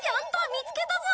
見つけたぞ！